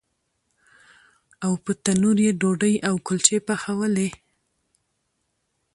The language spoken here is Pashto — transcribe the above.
او په تنور یې ډوډۍ او کلچې پخولې.